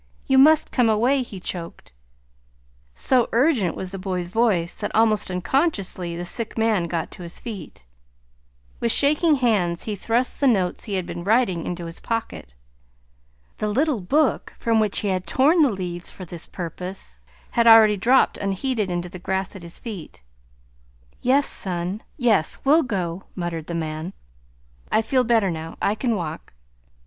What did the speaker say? You must come away," he choked. So urgent was the boy's voice that almost unconsciously the sick man got to his feet. With shaking hands he thrust the notes he had been writing into his pocket. The little book, from which he had torn the leaves for this purpose, had already dropped unheeded into the grass at his feet. "Yes, son, yes, we'll go," muttered the man. "I feel better now. I can walk."